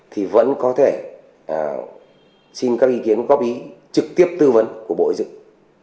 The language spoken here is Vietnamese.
thì vẫn có thể xin các ý kiến góp ý trực tiếp tư vấn của bộ y dựng